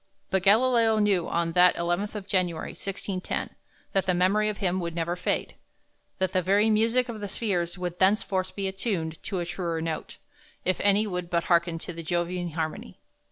But Galileo knew on that 11th of January, 1610, that the memory of him would never fade; that the very music of the spheres would thenceforward be attuned to a truer note, if any would but hearken to the Jovian harmony.